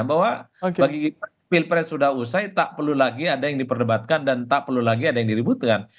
bahwa bagi kita pilpres sudah usai tak perlu lagi ada yang diperdebatkan dan tak perlu lagi ada yang diributkan